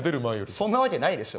そんなわけないでしょ。